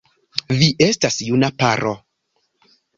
Vi estas juna paro.